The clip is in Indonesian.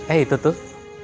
eh itu tuh